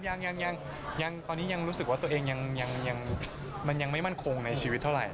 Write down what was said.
ยังครับยังตอนนี้ยังรู้สึกว่าตัวเองยังมันยังไม่มั่นคงในชีวิตเท่าไหร่